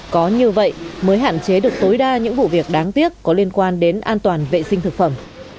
có như vậy mới hạn chế được tối đa những vụ việc đáng tiếc có liên quan đến an toàn vệ sinh thực phẩm